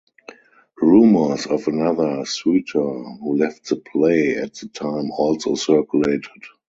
Rumors of another suitor who left the play at the time also circulated.